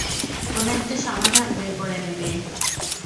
কোনো একটা সমাধান বের করে নেবে।